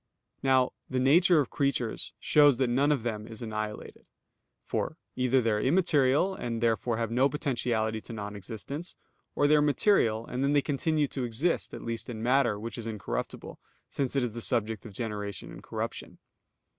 Now the nature of creatures shows that none of them is annihilated. For, either they are immaterial, and therefore have no potentiality to non existence; or they are material, and then they continue to exist, at least in matter, which is incorruptible, since it is the subject of generation and corruption.